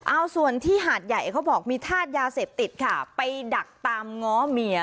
เอาส่วนที่หาดใหญ่เขาบอกมีธาตุยาเสพติดค่ะไปดักตามง้อเมีย